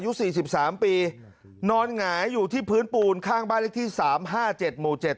ยุคสี่สิบสามปีนอนหงายอยู่ที่พื้นปูนข้างบ้านเล็กที่สามห้าเจ็ดหมู่เจ็ด